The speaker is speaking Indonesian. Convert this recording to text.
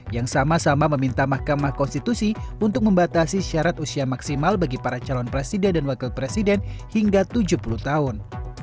yang sama sama meminta mahkamah konstitusi untuk membatasi syarat usia maksimal bagi para calon presiden dan wakil presiden hingga tujuh puluh tahun